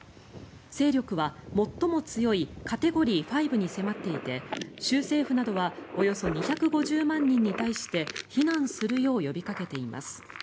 勢力は最も強いカテゴリー５に迫っていて州政府などはおよそ２５０万人に対して避難するよう呼びかけています。